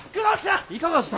いかがした？